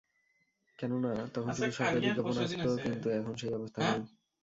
কেননা, তখন শুধু সরকারি বিজ্ঞাপন আসত, কিন্তু এখন সেই অবস্থা নেই।